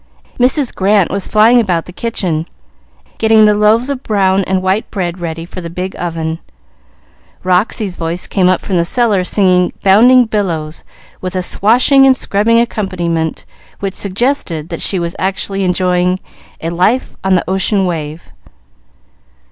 Mrs. Grant was flying about the kitchen, getting the loaves of brown and white bread ready for the big oven. Roxy's voice came up from the cellar singing "Bounding Billows," with a swashing and scrubbing accompaniment which suggested that she was actually enjoying a "life on the ocean wave."